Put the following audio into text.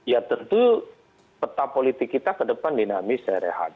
ya tentu peta politik kita ke depan dinamis ya rehat